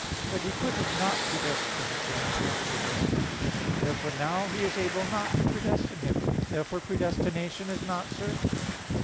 But He could have not predestined whom He hath predestined. Therefore now He is able not to predestine him. Therefore predestination is not certain.